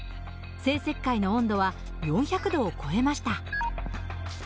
生石灰の温度は４００度を超えました。